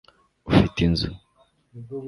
ufite inzu